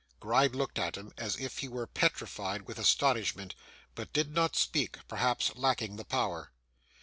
Gride looked at him as if he were petrified with astonishment, but did not speak; perhaps lacking the power.